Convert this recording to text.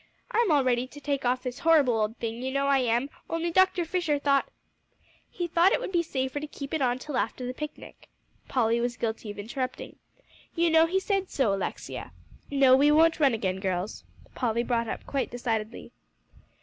I'm all ready to take off this horrible old thing, you know I am, only Dr. Fisher thought " "He thought it would be safer to keep it on till after the picnic," Polly was guilty of interrupting. "You know he said so, Alexia. No, we won't run again, girls," Polly brought up quite decidedly.